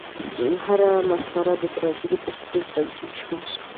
هره مسخره د تراژیدۍ پر سټېج تمثیل شوه.